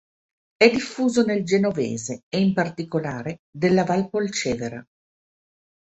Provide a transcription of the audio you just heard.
È diffuso nel genovese e in particolare della val Polcevera.